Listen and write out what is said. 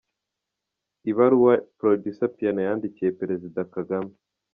Ibaruwa Producer Piano yandikiye Perezida Kagame.